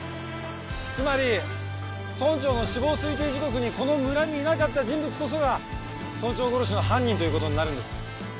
つまり村長の死亡推定時刻にこの村にいなかった人物こそが村長殺しの犯人という事になるんです。